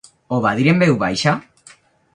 Ho va dir en veu baixa?